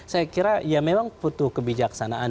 saya kira ya memang butuh kebijaksanaan